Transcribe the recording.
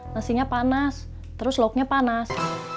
nasinya panas terus loknya panas